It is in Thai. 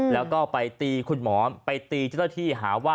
แล้วก็ไปตีคุณหมอไปตีเจ้าหน้าที่หาว่า